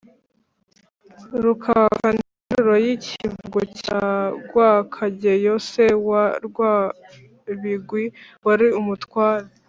rukaka: ni interuro y’ikivugo cya rwakageyo se wa rwabigwi wari umutware